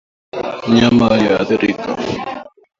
Mnyama aliyeathirika